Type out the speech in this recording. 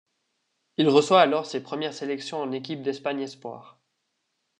Il reçoit alors ses premières sélections en équipe d'Espagne espoirs.